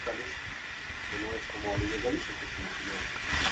Con un motor de tres cilindros de doble acción.